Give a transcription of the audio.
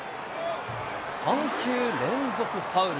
３球連続ファウル。